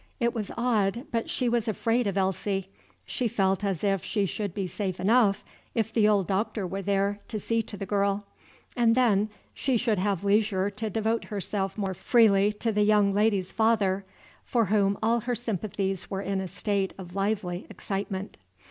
It was odd, but she was afraid of Elsie. She felt as if she should be safe enough, if the old Doctor were there to see to the girl; and then she should have leisure to devote herself more freely to the young lady's father, for whom all her sympathies were in a state of lively excitement.